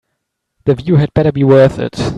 The view had better be worth it.